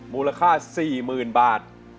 มูลค่าสี่หมื่นบาท